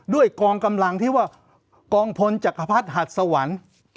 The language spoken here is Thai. กองกำลังที่ว่ากองพลจักรพรรดิหัดสวรรค์